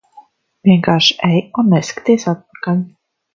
Vienkārši ej un neskaties atpakaļ.